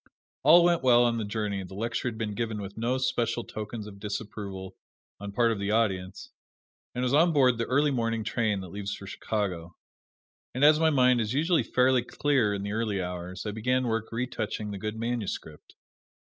All went well on the journey, the lecture had been given with no special tokens of disapproval on part of the audience, and I was on board the early morning train that leaves for Chicago. And as my mind is usually fairly clear in the early hours, I began work retouching the good manuscript.